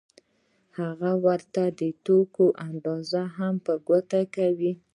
هغه ورته د توکو اندازه هم په ګوته کوي